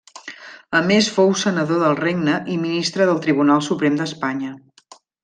A més fou senador del regne i ministre del Tribunal Suprem d'Espanya.